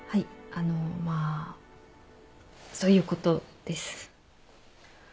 あのまあそういうことです。